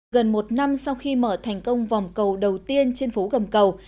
gần một năm sau khi mở thành công vòng cầu đầu tiên trên phố gầm cầu